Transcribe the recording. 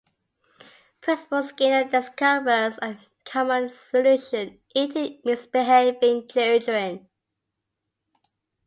Principal Skinner discovers a common solution: eating misbehaving children.